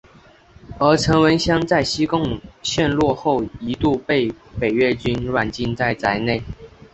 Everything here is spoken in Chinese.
而陈文香在西贡陷落后一度被北越军软禁在宅内。